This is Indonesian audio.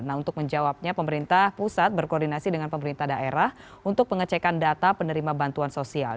nah untuk menjawabnya pemerintah pusat berkoordinasi dengan pemerintah daerah untuk pengecekan data penerima bantuan sosial